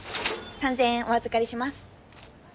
３，０００円お預かりします。